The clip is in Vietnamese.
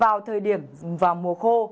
vào thời điểm vào mùa khô